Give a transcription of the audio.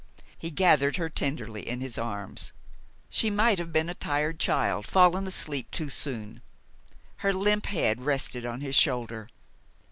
He gathered her tenderly in his arms. She might have been a tired child, fallen asleep too soon. Her limp head rested on his shoulder.